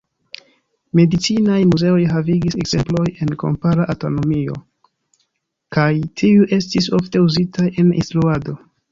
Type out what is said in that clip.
Medicinaj muzeoj havigis ekzemploj en kompara anatomio, kaj tiuj estis ofte uzitaj en instruado.